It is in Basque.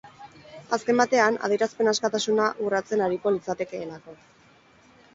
Azken batean, adierazpen askatasuna urratzen ariko litzakeelako.